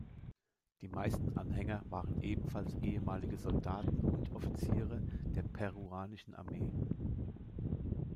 Die meisten Anhänger waren ebenfalls ehemalige Soldaten und Offiziere der peruanischen Armee.